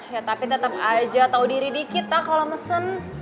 ya tapi tetap aja tahu diri di kita kalau mesen